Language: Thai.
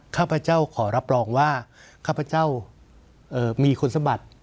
ข้าพเจ้าขอรับรองว่าข้าพเจ้ามีคุณสมบัติ